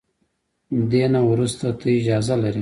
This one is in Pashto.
دې نه وروسته ته اجازه لري.